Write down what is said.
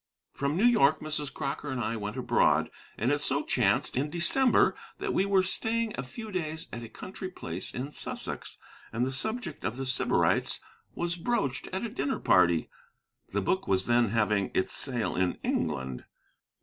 From New York, Mrs. Crocker and I went abroad. And it so chanced, in December, that we were staying a few days at a country place in Sussex, and the subject of The Sybarites was broached at a dinner party. The book was then having its sale in England.